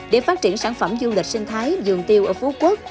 để phát triển sản phẩm du lịch sinh thái dường tiêu ở phú quốc